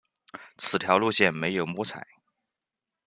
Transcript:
此条路线没有摸彩